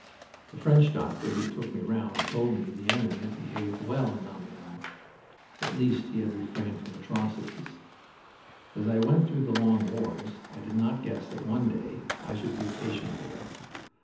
The French doctor who took me round told me the enemy had behaved well in Amiens. At least he had refrained from atrocities. As I went through the long wards I did not guess that one day I should be a patient there.